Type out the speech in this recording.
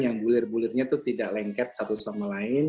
yang bulir bulirnya itu tidak lengket satu sama lain